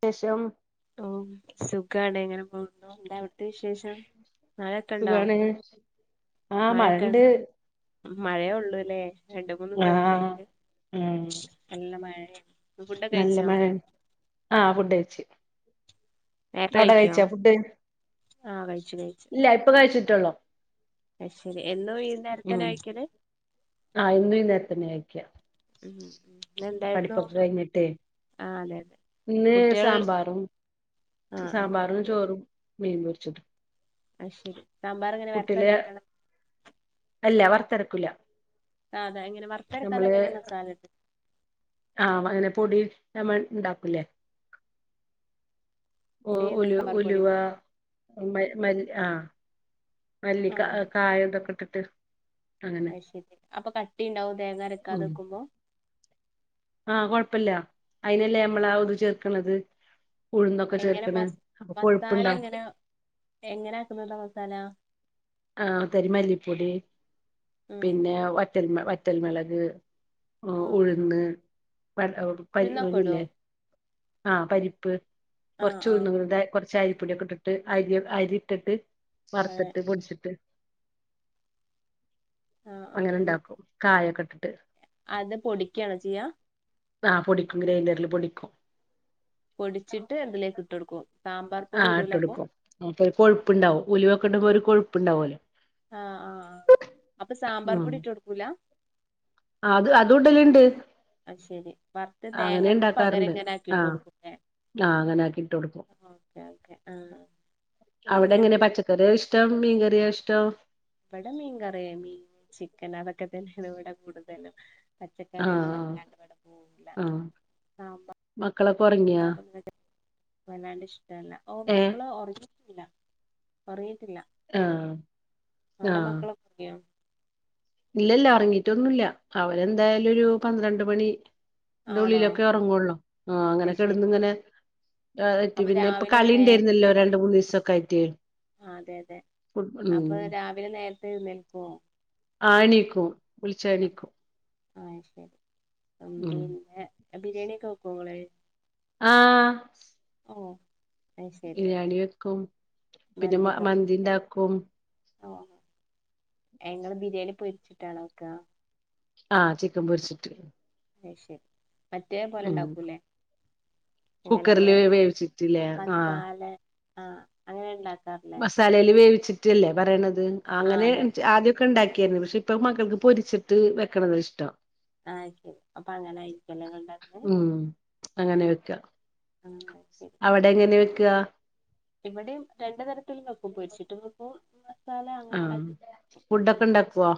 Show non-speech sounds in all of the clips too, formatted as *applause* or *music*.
വിശേഷം ഓ സുഖാണ് ങ്ങനെ പോകുന്നു എന്താ അവിടുത്തെ വിശേഷം സുഖാണ് ആഹ് മഴയൊക്കെ മഴണ്ട് മഴയേ ഉള്ളൂല്ലേ രണ്ട മൂന്ന് ആഹ് ദിവസായിട്ട് ഉം നല്ല മഴ നല്ല മഴ ആഹ് ഫുഡഴിച്ച് നേരത്തെ അവിടെ കഴിക്കോ കഴിച്ചാ ഫുഡ് ആഹ് കഴിച്ചു ഇല്ല ഇപ്പ കഴിച്ചിട്ടുളൂ അയ്ശരി എന്നു ഈ നേരത്ത് തന്നെയ കഴക്കല് ആഹ് ഇന്നും ഇ നേരത്തന്നെ കഴിക്കാ ഉം ഇന്ന് എന്തായിരുന്നു പഠിപ്പൊക്കെ കഴഞ്ഞിട്ടേ ആഹ് അതെ അതെ ഇന്ന്‌ കുട്ടികൾ സാമ്പാറും ആഹ് ആഹ് സാമ്പാറും ചോറും മീൻപൊരിച്ചതും അത് ശരി സാമ്പാർ എങ്ങനെ കുട്ടികള് വറത്താരച്ചിട്ടാണ് അല്ല വറത്തെറക്കൂല്ല അതെ എങ്ങനെ വരയ്ത്താരകത്ത്ങ്ങനെയ മസാല ആഹ് മഞ്ഞ പൊടി നമ്മൾ ഉണ്ടാക്കൂല്ലേ പൊടി ഓഹ് എന്ത് ഉല സാമ്പാർ പൊടി ഉലുവ മാത്രം മ മല്ല ആ മല്ലി ആഹ് കായ ഇതൊക്കെ ഇട്ടിട്ട് അങ്ങനെ അത് ശരി അപ്പൊ കട്ടി ഉണ്ടാവ ഉം തേങ്ങാരെക്കാതെവെക്കുമ്പോ ആഹ് കോഴപ്പല്ല അതിനല്ലേ ആ. നമ്മളാ അ ഇത് ചേർക്കണത് ഉഴുന്നൊക്കെ എങ്ങനെ ചേർക്കണ് മസ് അപ്പൊ മസാല കൊഴുപ്പുണ്ടാവും എങ്ങനെ എങ്ങനെ ആക്ക്ന്നത മസാല ആ ഒരു തരിമല്ലിപ്പൊടി ഉം പിന്നെ വറ്റൽ വറ്റൽമിളക് ആ ആഹ് ആഹ് ഉഴുന്ന് പ പരി ഉഴുന്നൊക്കെ ഇടോ ഇല്ലേ ആഹ് പരിപ്പ് ആഹ് കൊറച്ച് ആഹ് ഉഴുന്ന് കൊറ ച്ചായിപ്പൊടിയൊക്കെ ഇട്ടിട്ട് അരി അരി ഇട്ടിട്ട് അതെ വറത്തിട്ട് പൊടിച്ച്. ആഹ് ആഹ് അങ്ങനെ എന്നിട്ട് ണ്ടാക്കും. കായൊക്കെ ഇട്ടിട്ട്. അത് പൊടിക്കാണോ ചെയ്യാ. ആഹ് പൊടിക്കും ഗ്രെയ്ന്റർല് പൊടിക്കും പൊടിച്ചിട്ട് എന്ത്‌ലേക്ക് ഇട്ട് കൊടുക്കും. സാമ്പാർ പൊടി ആഹ് ഇടൂല അപ്പൊ ഇട്ടൊടുക്കും. ഉം. അപ്പോ ഒരു കൊഴപ്പുണ്ടാവും ഉലുവൊക്കെ ഇടുമ്പോ ഒരു കൊഴുപ്പ്ണ്ടാവുല്ലോ. ആഹ് ആഹ് അപ്പൊ സാമ്പാർ പൊടി ഇട്ടൊടുക്കൂല ആ അതും അതും ഇടല്ണ്ട് അത് ശരി. വറുത്ത് തേങ്ങക്ക് പകരം ഇങ്ങനെ ആക്കിട്ട് ആഹ് കൊടുക്കും ല്ലേ? ആഹ് അങ്ങനാക്കി ഇട്ടൊടുക്കും ഓക്കെ ആഹ് പിന്നെ അവിടെങ്ങനെ പച്ച കറിയ ഇഷ്ടം മീൻ കറിയ ഇഷ്ടം ഇവിടെ മീൻ കറിയ മീന് ചിക്കൻ അതൊക്കെ തന്നെയാണ് ഇവിടെ കൂടുതലും പച്ചക്കറിയൊന്നും ആഹ് വല്ലാണ്ട് ഇവടെ പോവുല്ല സാമ്പാ ഒക്കെ ഒറങ്ങിയോ വല്ലാണ്ട് ഇഷ്ടവല്ല ഓഹ് ഏഹ് മക്കള് ഒറങ്ങിറ്റൊന്നുല്ല ഒറങ്ങിറ്റില്ല ആഹ് അവ്ടെ ആഹ് മക്കളൊക്കെ ഒറങ്ങിയോ ഇല്ലല്ല. ഒറങ്ങിട്ടൊന്നുല്ല. അവരെന്തായാലും ഒരു പന്ത്രണ്ട് മണി. ആയിന്റെ ആണോ ഉള്ളിലൊക്കെ എറങ്ങുള്ളൂ ആഹ് അങ്ങനെ അത് ശരി കെടന്ന് ഇങ്ങനെ ആഹ് അപ്പൊ പിന്നെ ഇപ്പൊ രാവിലെ നേരത്തെ കളിണ്ടായിരുന്നല്ലോ രണ്ട്, എഴുന്നേൽ- മൂന്നൂസൊക്കെ ആയിട്ട്. അതെ അതെ ഫുട് ഉം അപ്പൊ രാവിലെ നേരത്തെ ഏഴുന്നേൽക്കോ ആഹ് ണീക്കും. വിളിച്ചാ ണീക്കും. ആഹ് ശരി ഉം പിന്നെ ബിരിയാണിയോക്കെ വെക്കോ ഇങ്ങള് ആഹ് അഹ് ആഹ് ബിരിയാണി വെക്കും പിന്നെ മ മന്തി ഉണ്ടാക്കും ഓഹ് അങ്ങനെ. നിങ്ങള് ബിരിയാണി പൊഴിച്ചിട്ടാണോ വോക്കാ.? ആഹ് ചിക്കൻ പൊരിച്ചിട്ട്. അയ് ശരി. മറ്റേ പോലെ ഉം ഉണ്ടാക്കൂല്ലേ. എങ്ങനെ നമ്മള് കുക്കറില് വേവിച്ചിട്ടില്ലേ ആഹ് മസാല ആഹ് അങ്ങനെ ഉണ്ടാക്കാറില്ലേ. തലേല് വേവിച്ചിട്ട്ല്ലേ പറേണത്. ആ അങ്ങനെ അതെ ച്ച് ആദ്യം ക്കെ ണ്ടാക്കിയായിരുന്നു. പക്ഷെ ഇപ്പൊ മക്കൾക്ക് പൊരിച്ചിട്ട് വെക്കണത ഇഷ്ടം. ആഹ് ശരി. അപ്പൊ അങ്ങനെ ആയിരിക്കും അല്ലെ ഇൻങ്ങള് ഇണ്ടാക്കല്. പ്പഅങ്ങനെ വെക്കാ നന്നായി അവിടെ എങ്ങനെ വെക്ക ഇവിടേം രണ്ട് തരത്തിലും വെക്കും. പൊരിച്ചിട്ടും വെക്കും. മസാല അങ്ങനെ ണ്ടാക്കി ഉം. അതെപ്പോ.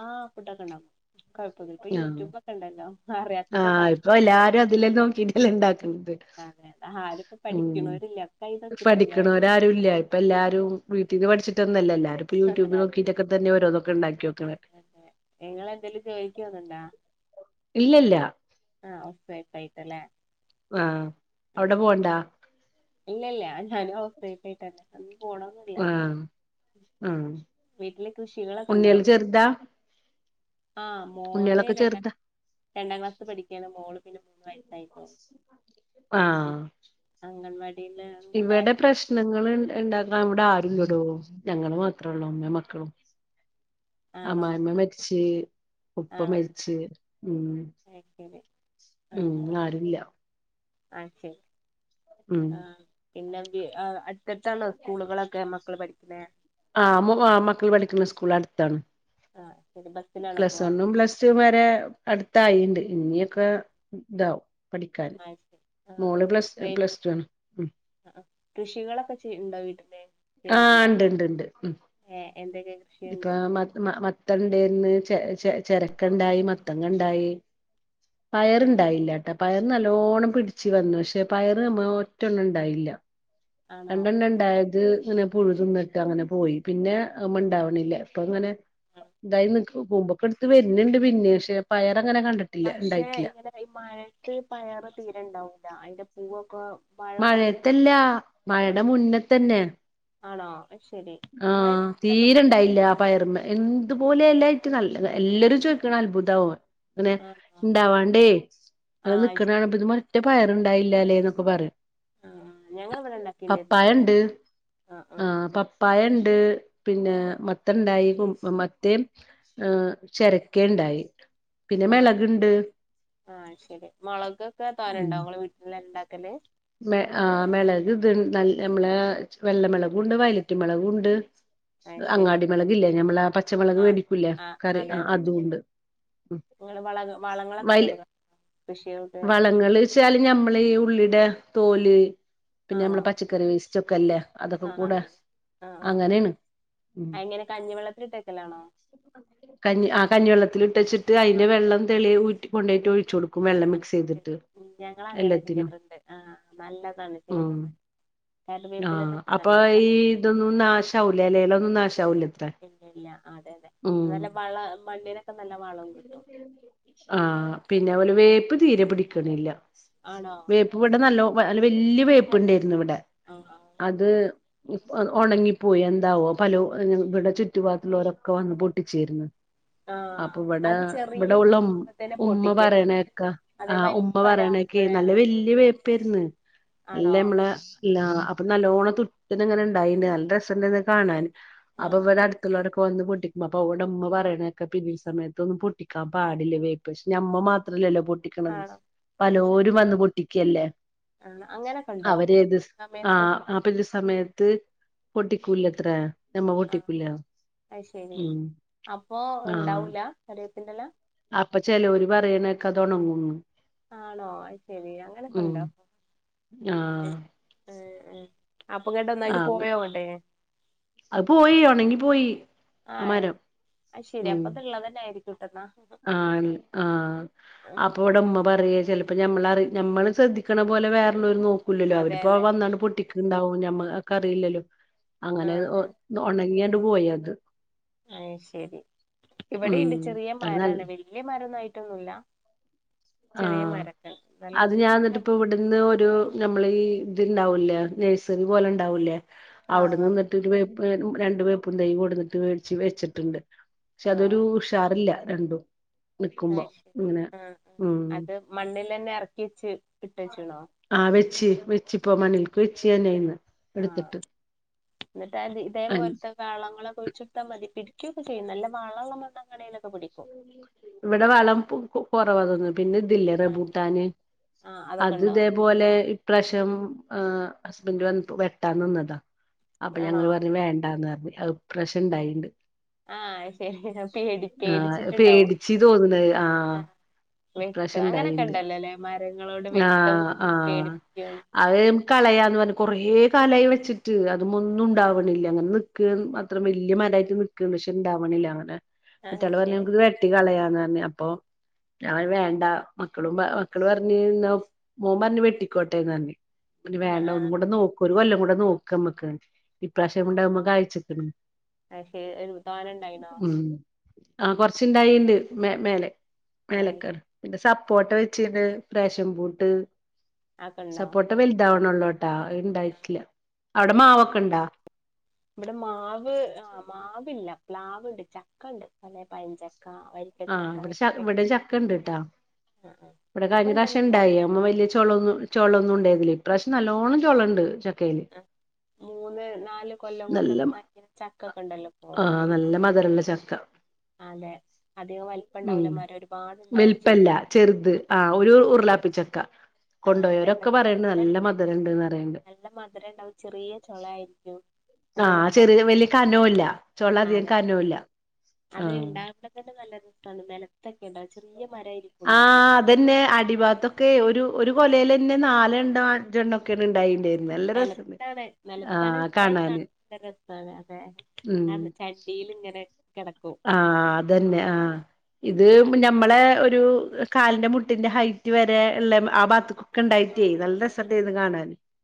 ആഹ് ഫുഡ്ക്കെ ഉണ്ടാക്കും കൊഴപ്പൊന്നു ഇപ്പൊ ആഹ് യൂട്യൂബ് ഒക്കെ ഉണ്ടല്ലോ അറിയാത്തത് ആഹ് അതെ ഇപ്പൊ എല്ലാരും അതിലെന്നും നോക്കിട്ട ല്ലേ ഇണ്ടാക്കണത്. അതെ ആരുപ്പ പഠിക്ണോര്ല്ല കൈ നോക്കി തരലാ പണി ഇവിടെ ആരും ല്യ. ഇപ്പൊ എല്ലാരും വീട്ടിന്ന് പഠിച്ചിട്ട്ന്നല്ല. എല്ലാരും ഇപ്പ യൂറ്റൂബ് അതെ നോക്കിയിട്ട് തന്നെ ഒരോന്നൊക്കെ ണ്ടാക്കി വെക്ണെ. ഇങ്ങളന്തേലും ജോലിക്കോന്ന്ണ്ടോ ഇല്ലല്ല ആഹ് ഓഫ് വൈറ്റ് ആയിട്ടല്ലേ. ആഹ് ഓക്കെ അവ്ടെ ഉം പോവ്ണ്ടാ ഇല്ല ഇല്ല ഞാൻ *unintelligible* ഹൗസ് വൈഫ്‌ ആയിതന്നെ അന്ന് പോണം ന്ന് ഇല്ല ആഹ് ഉം വീട്ടില് കൃഷികളൊക്കെണ്ടോ ചെർതാ ആ മോന് ര ചെറുതാ രണ്ടാം ക്ലാസ് പഠിക്കയാണ് മോള് പിന്നെ മൂന്ന് വയസ്സായിട്ടേള്ളൂ ആഹ് അംഗൻവാടിയിലാ ഇവിടെ പ്രശ്നങ്ങൾ ഇ ഇണ്ടാക്കാൻ ഇവടെ ആരുല്ലടോ ഞങ്ങള് മാത്രേ ഉള്ളൂ അമ്മേം മക്കളും ആണോ അമ്മായിമ്മ മരിച്ച് ഉപ്പ മരിച്ച് ഉം വെക്കല് ഉം ആരൂല്ല ആ ശരി ഉം ആ പിന്നെന്തിയേ ആ അട് ക്കെടുത്താണോ സ്കൂളുകളൊക്കെ മക്കള് പഠിക്കണെ ആ മ് മക്കള് പഠിക്കുന്ന സ്കൂൾ അടുത്താണ് ആ ശരി ബസ്സിലാണോ പ്ലസ് പോവാ വണ്ണും പ്ലസ് ടു വരെ അടുത്തായിണ്ട് ഇനിയൊക്കെ ഇതാവും പഠിക്കാൻ അയ് ശരി ആ ആ മോള് പ്ലസ് ഡ്രൈവ്- പ്ലസ് ടു ആണ് ഉം. ആ ക്ക് കൃഷികളൊക്കെ ചീയ്യ്ണ്ടോ വീട്ടില് ആഹ് ഇണ്ട് ഇണ്ട് ഇണ്ട് ഉം ഏഹ് എന്തൊക്കെണ്ട് ഇപ്പ മ മ മത്തണ്ട്ന്ന് ചെ ചെ ചെരക്കണ്ടായി മത്തങ്ങ ഇണ്ടായി ആ പയറിണ്ടായില്ല ട്ട പയർ നല്ലോണ്ണം പിടിച്ചു വന്നു പക്ഷെ പയർ മ് ഒറ്റൊണ്ണം ഇണ്ടായില്ല ആണോ രണ്ടെണ്ണം ഇണ്ടായത് ഇങ്ങനെ പുഴു തിന്നിട്ട് അങ്ങനെ പോയി പിന്നെ അവ്മണ്ടാവ ണില്ല ഇപ്പൊ ഇങ്ങനെ ആ എന്തായി കൂമ്പൊക്കെടുത്ത് വരുന്ണ്ട് പിന്നീം പക്ഷെ പയറങ്ങനെ കണ്ടി പക്ഷെ ഇങ്ങനെ ഈ മഴയത്ത് പയറ് തീരെണ്ടാവൂല്ല അയിന്റെ പൂവൊക്കെ മഴ കൊ മഴയത്തല്ല ആ മഴടെ മുന്നത്തന്നെ ആണോ അശരി ആഹ് തീരെണ്ടായില്ല പയറ്മെ എന്തുപോലെ എലായിട്ട് നല്ല എല്ലാരും ചോദിക്കണ് അത്ഭുതാവ ഇങ്ങനെ ആണോ ഇണ്ടാവാണ്ടേ ആ ഇങ്ങനെ അത് നിക്കണ് ശരി കാണുമ്പ ഇത് മേ ഒരൊറ്റ പയറുണ്ടായില്ലാല്ലേന്നൊക്കെ പറയും ആ ഞങ്ങളിവിടെ ഉണ്ടാക്കിണ്ടായിരുന്നു പപ്പായണ്ട് ആ ആ ആഹ് പ പയണ്ട് പിന്നെ മത്തണ്ടായി കു മത്തേം ആഹ് ചെരക്കേണ്ടായി. ആഹ് ആഹ് ശരി മൊളകൊക്കെ ഉം തോനെണ്ടോ ങ്ങളെ വീട്ടില് ഇണ്ടാക്കല് മെ ആ മെളക് ഇത് നല്ല മ്മളെ വെള്ളമെളകും ഇണ്ട് വയലറ്റ് മെളകുണ്ട്. ആഹ് ശരി അങ്ങാടി മെളക് ഇല്ലേ ഞമ്മള ആ പച്ചമെളക് ആഹ് വേടിക്കുലേ കറി ആ അതുണ്ട് ഉം ഇങ്ങള് വള വളങ്ങളൊക്കെ ഇട്ട് കൊടുക്കോ കൃഷികൾ വളങ്ങള്ച്ചാല് ഞമ്മള് ഈ ഉള്ളിടെ തോല് പിന്നെ ആണോ ഞമ്മളെ പച്ചക്കറി വേസ്റ്റൊക്കൊല്ലേ അതൊക്കെ ആഹ് കൂടെ അതെ അങ്ങനേണ് അ എങ്ങനെ കഞ്ഞിവെള്ളത്തില് ഇട്ടക്കലാണോ? കഞ്ഞി ആ കഞ്ഞിവെള്ളത്തില് ഇട്ടച്ചട്ട് ആഹ് അയ്ന്റെ വെള്ളം തെളി ഊറ്റി കൊണ്ടോയ്ട്ട് ഒഴിച്ചൊടുക്കും. വെള്ള ള്ളം ആഹ് അത് ശരി മികസെയ്തിട്ട് ഉം ഞങ്ങള് അങ്ങനെ എല്ലത്തിനും ചെയ്യാറുണ്ട് ആഹ് നല്ലതാണ് ആഹ് ചെയ്യുന്നത് ആഹ് കറിവേപ്പിലൊക്കെ അപ്പൊ നല്ലതാ ഈ ഇതൊന്നും നാശാവുല്ലേ എലേലൊന്നും നാശാവുല്ലേ? ഇല്ലല്ലഅതെ അതെ നല്ല വള മണ്ണിനൊക്കെ നല്ല വളോം കിട്ടും. ആഹ് പിന്നെ അവ് അങ്ങനെ പ്പോലെ വേപ്പ് തീരെ പിടിക്കണില്ല. ആണോ വേപ്പ് ഇവിടെ നല്ലോ അല്ല വല്ല്യ വേപ്പുണ്ടേർന്നു ഇവടെ *unintelligible* അത് ഇപ് ഒണങ്ങിപ്പോയി എന്താവോ പലോ ഇവിടെ ചുറ്റുപാത്തുള്ളോരൊക്കെ വന്ന് പൊട്ടിച്ചേര്ന്നു. ആഹ് അപ്പൊ ഇവടെ അത് ചെറിയ ഇവടെ ഉള്ള ഉ മരാവുമ്പോ തന്നെ ഉമ്മ പൊട്ടിക്കരുത് പറണേക്കാ അതെ ആഹ് വലിയ ഉമ്മ പറെണൊക്കെ മരാവുമ്പഴേ നല്ല വല്യ വേപ്പേര്ന്ന് നല്ല ആണോ നമ്മളെ ഇല്ല അപ്പൊ നല്ലോണം തുട്ട് ത് ങ്ങനെ ഇണ്ടായിണ്. നല്ല രസണ്ട് ത് കാണാന് അപ്പൊ ആഹ് ഇവടെട് ത്ത്ള്ളോരൊക്കെ വന്ന് പൊട്ടിക്കും അപ്പൊ അ ഓണ്ട മ്മ പറയണേക്ക പിരീഡ്സ് സമയത്തൊന്നും പൊട്ടിക്കാൻ പാടില്ലേ വേ പ്പശ് ഞമ്മ മാത്രല്ലല്ലോ പൊട്ടിക്കണത്. ആണോ അയ് പലോരും വന്ന് പൊട്ടിക്കല്ലേ ആണ് അങ്ങനൊക്കെ ഉണ്ടോ പിന്നെ അവരേത്സ് സമയത്ത് ആഹ് പിരീഡ് സമയത്ത് പൊ ട്ടിക്കൂലത്രെ. ആഹ് അയ് ശരി ഉം അപ്പോ ആഹ് ഇണ്ടാവൂല കര്യേപ്പ്ന്റെല അപ്പൊ ചെലോല് പറീണേക്ക ഇതൊണങ്ങും ന്ന് ആണോ അയ് ശരി അങ്ങനൊക്കെണ്ടോ ആഹ് ഏഹ് അപ്പൊങ്ങട്ട് ഒന്നായിട്ട് ആഹ് പോയോങ്ങട്ട് അത് പോയി ഒണങ്ങി പോയി. ആ ആഹ് മരം അയ് ശരി ഉം അപ്പൊത്ള്ളതന്നെ ആയിരിക്കും ട്ടെന്നാ ആഹ് ള്ള ആഹ് അപ്പ ഇവടമ്മ പറയേ ചെലപ്പോ നമ്മളറി ഞമ്മള് ശ്രദ്ധിക്കണ പോലെ വേറള്ളോല് നോക്ക ക്കൂല്ലല്ലോ അതെ അവര്പ്പോ അതെ വന്നാണ്ട് പൊട്ടിക്ക് ഇണ്ടാവും. ഞമ്മക്കറിയില്ലല്ലോ അങ്ങനെ ആഹ് ആഹ് ഒണങ്ങിയാണ്ട് പോയത്. അയ് ശരി ഉം ഇവിടേണ്ട് ചെറിയ അത് നല്ല മരാണ്. വല്യ മരൊന്നും ആ യിട്ടൊന്നുല്ല. ആഹ് അത് ഞാൻ ന്നിട്ട് ഇപ്പ ഇവ്ടുന്ന് ഒരു നമ്മളീ ഈ ഇത്ണ്ടാവുല്ലെ നഴ്സറി പോലെ ഇണ്ടാവൂലേ ആഹ് ആഹ് അവിടെന്ന്ന്ന് ട്ട് ഒര് വേപ്പ് രണ്ട് വേപ്പും തൈ കൊട്ന്നിട്ട് വേട്ച്ച് വെച്ചിട്ടുണ്ട്. ശേ ആഹ് അതൊരു ഉഷാർല്ല രണ്ടും അയ് നിക്കുമ്പോ ശരി ഇങ്ങനെ ആഹ് ആഹ് ഉം അത് മണ്ണിലെന്നെ എർക്കിയ്ച്ച് ഇട്ടച്ച്ണോ? ആഹ് വെച്ച് വെച്ച്പ്പോ മണ്ണിൽക്ക് വെച്ച് ഞാനയ്ന്ന് ആഹ് ന്നിട്ട് അ ഇതെ പോൽത്തെ വേളങ്ങളൊക്കെഴിച്ചൊട്ത്താ മതി പിടിക്കൊക്കെ ചെയ്യും നല്ല വളള്ള മണ്ണ് ആണേലൊക്കെ പിടി ഇവടെ വളം കൊറവ തോന്ന പിന്നെ തില്ലെ റഭൂട്ടാന് ആഹ് അത് അതൊക്കെണ്ടോ തേ പോലെ ഇപ്രാവശ്യം ഹസ്ബൻഡ് വന്നപ്പം വെട്ടാ നിന്നതാ. അപ്പൊ ആണോ ഞങ്ങള് പർഞ്ഞ് വേണ്ടാന്ന് അർഞ്ഞ് അത് ഇ പ്രാശ്യംണ്ടായിണ്ട്. ആഹ് ശരി ഞാ പേടി ആഹ് പേടിച്ചിട്ടുണ്ടാവും പേടിച്ച് തോന്ന്ണ്. ആഹ് വെട്ടും അങ്ങനൊക്കെ ഇപ്രാവശ്യണ്ടയേണ്ട് ഇണ്ടല്ലോല്ലേ മരങ്ങളോട് വെട്ടും ആഹ് ആഹ് പേടിപ്പിക്കും അയ് കളയാന്ന് പറഞ്ഞ് കൊറേ കലായി വെച്ചിട്ട് അത് മൊന്നും ആഹ് ഇണ്ടാവ്ണില്ല ഇങ്ങനെ ക്ക് അത്തറ വല്യ മരായിട്ട് നിക്ക്ണ്ട് പക്ഷെ ഇണ്ടാവ്ണില്ല അങ്ങനെ ആഹ് മറ്റാള് പറഞ്ഞ് ശരി നമക്ക് ഇത് വെട്ടി കളയാന്ന് പറഞ്ഞ് അപ്പൊ ഞാൻ പറഞ്ഞ് വേണ്ട മക്കളും മക്കള് പറഞ്ഞ് മോൻ പറഞ്ഞ് വെട്ടിക്കോട്ടെന്ന് പറഞ്ഞ് ഇനി ആഹ് വേണ്ട ഒന്നും ആഹ് കൂടെ നോക്ക് ഒരു കൊല്ലം കൂടെ നോക്കമ്മക്ക് ഇപ്രാവശ്യം ഇണ്ടാവുമ്പോ കഴ്ചച്ച്ക്ക്ണ്. പക്ഷെ ഒരു താന ഇണ്ടായിണോ ആഹ് കൊറച്ച്ണ്ടായിണ്ട് മേ മേലെ ആഹ് മേലക്ക് പിന്നെ സപ്പോട്ട വെച്ചിന്, ഫേഷൻ ഫ്രൂട്ട് അതൊക്കെണ്ടോ സപ്പോട്ട വലുതാവ്ണൊള്ളു ണ്ടാ അത് ഇണ്ടായിട്ടില്ല. അവടെ മാവൊക്കെണ്ടോ ഇവടെ മാവ് ആഹ് മാവില്ല പ്ലാവ്ണ്ട് ചക്ക ഇണ്ട് നല്ലെ പഴം ചക്ക വര് ആഹ് ഇവ്ടെ ഇവടെ ചക്കണ്ട്ട്ടോ, ഇവടെ ഇപ്പ കഴിഞ്ഞ പ്രാവശ്യം ഇണ്ടല്ലോ ഇണ്ടായി അമ്മ വലിയ ചോളൊന്ന് ചോളൊന്നുണ്ടായിരുന്നില്ലെ ഇപ്രാവിശ്യം നല്ലോണം ചോളണ്ട് ചക്കയില് ആ, മൂന്ന് നാല് കൊല്ലം നല്ല കൊണ്ടൊക്കെ ഇണ്ടാക്കിനെ ചക്കൊക്കെ ഇണ്ടല്ലോ പ്പം ആഹ് നല്ല മധുരള്ള ചക്ക. അതെ, അധിക വലിപ്പം ഉം ഇണ്ടാവുല മരം ഒരുപാട് ഇണ്ടാവും ചെയ്യും. വലുപ്പല്ല ചെറുത് ആഹ് ഒരു ഉറുളാപ്പി ചക്ക. ആ അതെ കൊണ്ടോയോരൊക്കെ പക്ഷെ പറയ്ന്ണ്ട് നല്ല മധുരണ്ട്ന്ന് പറയ്ണ്ട്. നല്ല മധുരണ്ടാവും ചെറിയ ചൊളായിരിക്കും. നല്ല ആഹ് രസാ ചെറിയ ചൊ വലിയ കനവുല്ല ചോള ആ അധികം അതെ കനവുല്ല അത് ഇണ്ടാവുമ്പോ തന്നെ നല്ല രസാണ് നെലത്തൊക്കെ ഇണ്ടാവ, ചെറിയ മരായിരിക്കും ആ ഇണ്ടാവ അതന്നെ അടിഭാത്തൊക്കെ ഒരു ഒരു കൊലേലന്നെ നാലെണ്ണം അഞ്ചെണ്ണം ക്കെന്നെ ഇണ്ടായിണ്ടേർന്ന്. നല്ല രസാണ് നെലത്താണ് നെലത്താണ് ആഹ് ഇണ്ടായി കാണാന് കാണാൻ നല്ല ഹ്മ്മ് ടീല് ഇങ്ങനെ കെടക്കും. ആഹ് അതന്നെ ആഹ് ഇത് ഞമ്മളെ ഒരു കാലിന്റെ മുട്ടിന്റെ ഹൈറ്റ് വരെ ഇള്ളെ ആ ഭാഗത്ത്ക്ക് ഒക്കെ ഇണ്ടായിട്ടേ നല്ല ര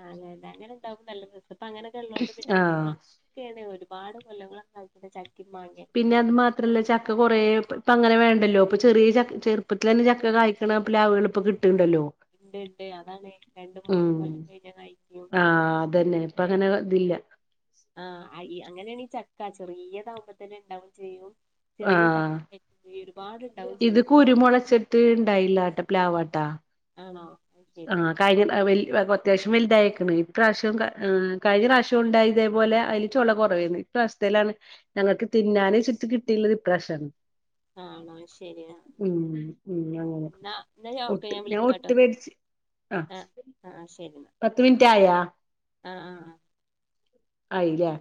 ആഹ് *unintelligible* അങ്ങനെ ഇണ്ടാവുമ്പോ നല്ല രസാ ഇപ്പങ്ങനെയൊക്കെ ഇള്ളോണ്ട് പിന്നെ ആഹ് പ ക്കെണ് ഒരുപാട് കൊല്ലങ്ങളൊക്കായി. പിന്നെ ചക്കിം മാങ്ങി പിന്നെ അത് മാ ത്രല്ല ചക്ക കൊറേ പ്പ ഇപ്പങ്ങനെ വേണ്ടല്ലോ ഇപ്പ ചെറിയ ച ചെറുപ്പത്തിൽ തന്നെ ചക്ക കായ്ക്ക്ണ പ്ലാവ്കള് ഇപ്പം കി ട്ട്ണ്ടല്ലോ ഇണ്ട്, ഇണ്ട് അതാണ് രണ്ട് മൂന്ന് കൊല്ലം കയിഞ്ഞാൽ കായിക്കും. ആഹ് അതന്നെ ഇപ്പങ്ങനെ ഇതില്ല. ആഹ് അയി അങ്ങനെയാണീ ചക്ക ചെറിയതാവുമ്പം തന്നെ ഇണ്ടാവും ചെയ്യും ചെറിയ ആഹ് ചക്കെ ഒരുപാട് ഇണ്ടാവും ചെയ്യും. കുരുമൊളച്ചെ ത് ഇണ്ടായില്ലാട്ട പ്ലാവാട്ടോ ആണോ ശെരി. കഴിഞ്ഞ വൽ അത്യാവിശ്യം വലുതായേക്കണ്. ഇപ്രാവശ്യം ഏഹ് കഴിഞ്ഞ പ്രാവശ്യം ഇണ്ടായി ഇതേപോലെ അയില് ചൊള കൊറവേണ്. ഇപ്രാവശ്യത്തേലാണ് ഞങ്ങക്ക് തിന്നാന് ശെരിക്കും കിട്ടീയിള്ളത് ഇപ്രാവശ്യാണ്. ആഹ് ന്നാ ശെരിയാ ഹ്മ്മ് ഹ്മ്മ് അങ്ങനെ, ഓക്കെ ഒട്ട് ഞാൻ വിളിക്കാട്ടോ ഒട്ട് വേടിച്ച് ആഹ് ആ ശെരി. പത്ത് മിൻറ്റായാ ആഹ് ആഹ് ആഹ്. ആയിലേ